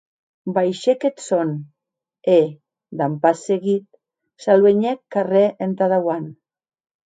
Baishèc eth sòn, e, damb pas seguit, s’aluenhèc carrèr entà dauant.